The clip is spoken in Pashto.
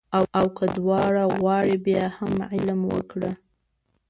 او که دواړه غواړې بیا هم علم وکړه